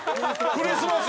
クリスマスだ！